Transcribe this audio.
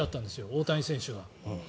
大谷選手が。